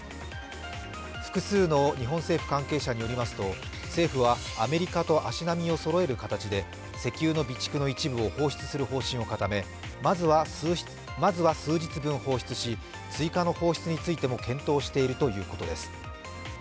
複数の日本政府関係者によりますと、政府は、アメリカと足並みをそろえる形で石油の備蓄の一部を放出する方針を固め、まずは数日分放出し、追加の放出についても検討しているということです。